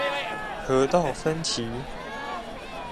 河道紛歧